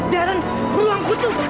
darren beruang kutub